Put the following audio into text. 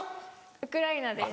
ウクライナです。